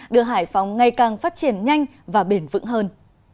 đưa hải phòng ngày càng phát triển nhanh và bền vững hơn